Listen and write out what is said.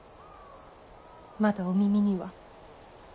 まだお耳には。